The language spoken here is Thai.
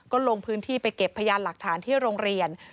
ก็ลงพื้นที่ไปเก็บพยานหลักฐานที่โรงเรียน